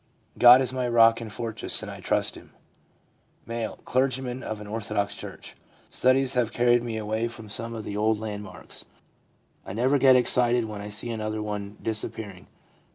God is my rock and fortress, and I trust Him/ M. (Clergyman of an orthodox church.) 'Studies have carried me away from some of the old landmarks ; I never get excited when I see another one disappearing.